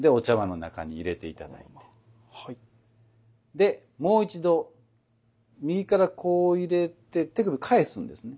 でもう一度右からこう入れて手首返すんですね。